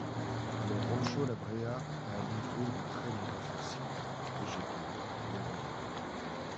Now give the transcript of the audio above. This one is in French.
Le Rancho la Brea a livré de très nombreux fossiles, végétaux ou animaux.